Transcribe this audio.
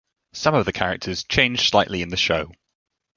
Some of the characters changed slightly in the show.